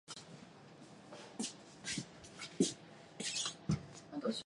話す、